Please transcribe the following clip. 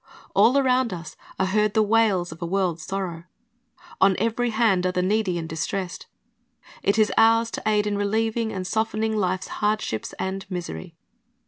All around us are heard the wails of a world's sorrow. On every hand are the needy and distressed. It is ours to aid in relieving and softening life's hardships and miseiy.